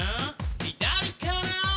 左かな？